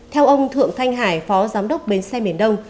theo ông thượng thanh hải phó giám đốc bến xe miền đông